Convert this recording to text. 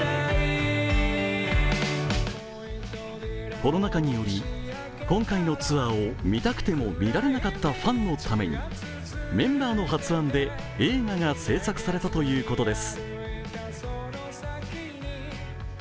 コロナ禍により今回のツアーを見たくても見られなかったファンのためにメンバーの発案で映画が製作されたということです。